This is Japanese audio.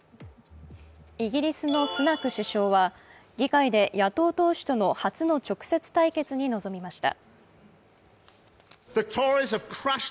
イギリスのスナク首相は議会で野党党首との初の直接対決に臨みました。